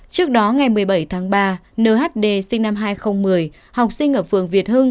trước đó ngày một mươi bảy tháng ba nhd sinh năm hai nghìn một mươi học sinh ở phường việt hưng